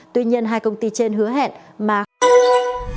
tuy nhiên hai công ty trên hứa hẹn mà không có sổ đỏ